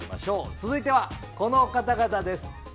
続いてはこの方々です。